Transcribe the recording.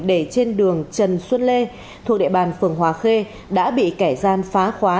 để trên đường trần xuân lê thuộc địa bàn phường hòa khê đã bị kẻ gian phá khóa